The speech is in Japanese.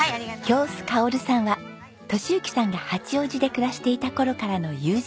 亰須薫さんは敏之さんが八王子で暮らしていた頃からの友人。